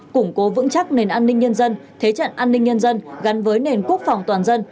củng cố vững chắc nền an ninh nhân dân thế trận an ninh nhân dân gắn với nền quốc phòng toàn dân